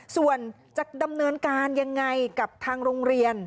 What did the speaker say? ส่วนจะดำเนินการยังไงกับทางโรงเรียน